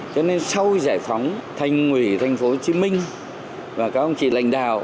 cho nên sau giải phóng thành quỷ thành phố hồ chí minh và các ông chị lãnh đạo